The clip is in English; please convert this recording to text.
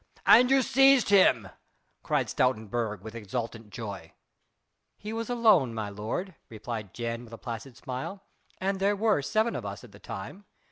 "And you seized him?" cried Stoutenburg with exultant joy. "He was alone, my lord," replied Jan with a placid smile, "and there were seven of us at the time.